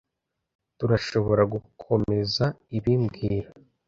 Tturashoboragukomeza ibi mbwira